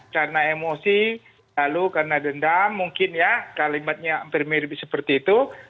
karena emosi lalu karena dendam mungkin ya kalimatnya hampir mirip seperti itu